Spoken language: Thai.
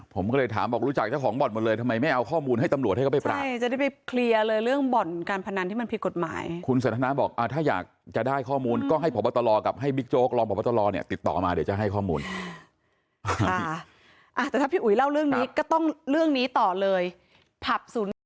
ผมก็เลยถามบอกรู้จักเจ้าของบ่อนหมดเลยทำไมไม่เอาข้อมูลให้ตำลัว